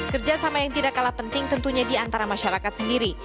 kerjasama yang tidak kalah penting tentunya di antara masyarakat sendiri